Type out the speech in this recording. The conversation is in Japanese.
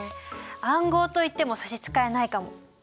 暗号といっても差し支えないかも。